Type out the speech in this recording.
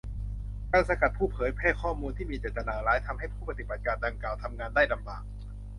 การสกัดผู้เผยแพร่ข้อมูลที่มีเจตนาร้าย ทำให้ผู้ปฏิบัติการดังกล่าวทำงานได้ลำบาก